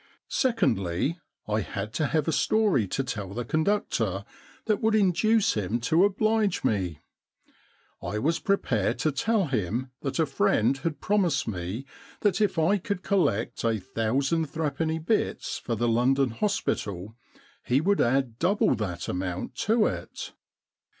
Secondly, I had to have a story to tell the conductor that would induce him to oblige me. I was prepared to tell him that a friend had promised me that if I could collect a thousand threepenny bits for the London Hospital, he would add double that amount to it.